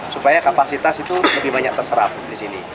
supaya kapasitas itu lebih banyak terserap di sini